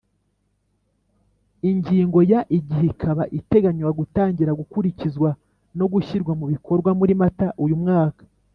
Ingingo ya Igihe ikaba iteganywa gutangira Gukurikizwa no gushyirwa mu bikorwa muri mata uyu mwaka.